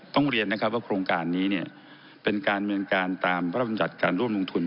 ต้องเรียนนะครับว่าโครงการนี้เนี่ยเป็นการเมืองการตามพระรำยัติการร่วมลงทุน